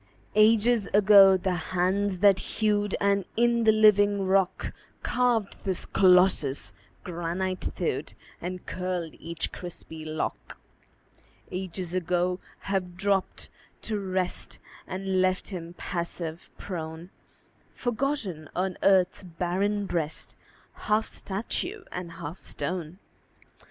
Ages ago the hands that hewed, And in the living rock Carved this Colossus, granite thewed And curled each crispy lock: Ages ago have dropped to rest And left him passive, prone, Forgotten on earth's barren breast, Half statue and half stone.